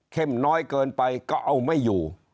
น้อยเกินไปก็เอาไม่อยู่